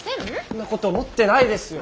んなこと思ってないですよ。